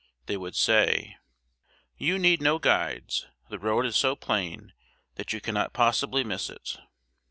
They would say: "You need no guides; the road is so plain, that you cannot possibly miss it."